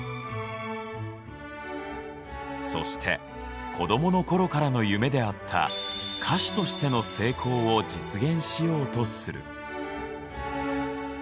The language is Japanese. そして子どもの頃からの夢であった歌手としての成功を実現しようとする。